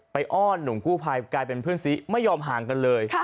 อ้อนหนุ่มกู้ภัยกลายเป็นเพื่อนซีไม่ยอมห่างกันเลย